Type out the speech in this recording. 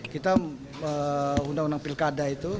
kita undang undang pilkada